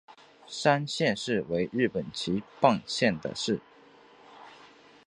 山县市为日本岐阜县的市。